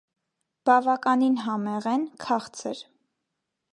Բավականին համեղ են, քաղցր։